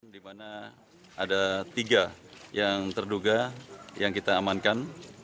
di mana ada tiga yang terduga yang kita amankan